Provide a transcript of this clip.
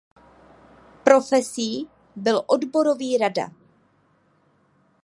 Profesí byl odborový rada.